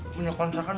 punya konser kan